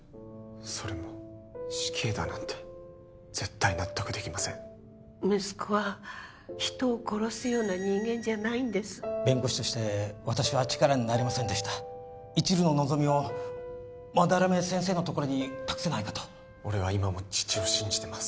それも死刑だなんて絶対納得できません息子は人を殺すような人間じゃないんです弁護士として私は力になれませんでしたいちるの望みを斑目先生のところに託せないかと俺は今も父を信じてます